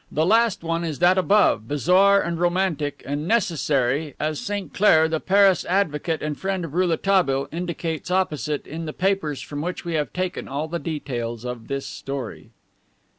The last one is that above, bizarre and romantic, and necessary, as Sainclair, the Paris advocate and friend of Rouletabille, indicates opposite it in the papers from which we have taken all the details of this story.